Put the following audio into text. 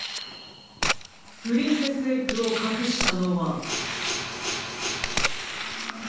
プリンセスエッグをかくしたのは。